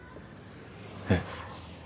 えっ。